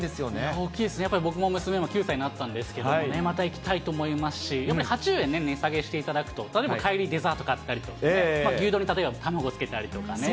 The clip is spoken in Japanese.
大きいです、やっぱり僕も、娘も９歳になったんですけれども、また行きたいと思いますし、やっぱり８０円値下げしていただくと、例えば帰りデザート買ったりとかね、牛丼に例えば卵つけたりとかね。